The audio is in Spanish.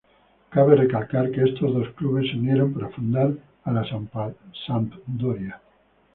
Cabe recalcar que estos dos clubes se unieron para fundar a la Sampdoria.